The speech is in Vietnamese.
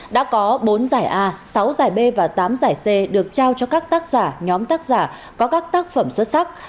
đã có bốn giải a sáu giải b và tám giải c được trao cho các tác giả nhóm tác giả có các tác phẩm xuất sắc